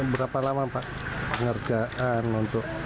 berapa lama pak pengerjaan untuk